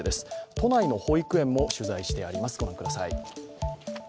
都内の保育園も取材してあります、御覧ください。